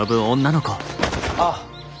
あっ。